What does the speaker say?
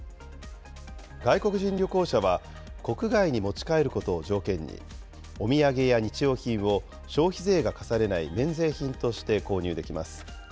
外国人旅行者は、国外に持ち帰ることを条件に、お土産や日用品を消費税が課されない免税品として購入できます。